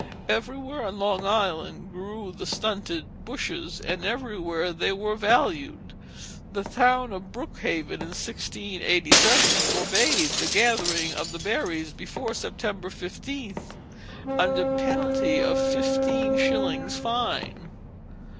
Everywhere on Long Island grew the stunted bushes, and everywhere they were valued. The town of Brookhaven, in 1687, forbade the gathering of the berries before September 15, under penalty of fifteen shillings' fine.